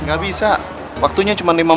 nggak bisa waktunya cuma lima menit aja ya